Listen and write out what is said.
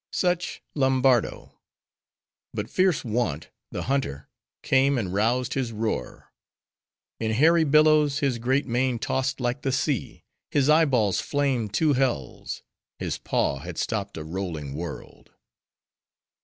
Such, Lombardo; but fierce Want, the hunter, came and roused his roar. In hairy billows, his great mane tossed like the sea; his eyeballs flamed two hells; his paw had stopped a rolling world.